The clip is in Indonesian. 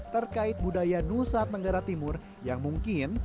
terkait budaya nusat negara timur yang mungkin